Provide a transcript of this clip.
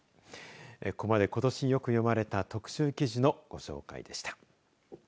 ここまでことしよく読まれた特集記事のご紹介でした。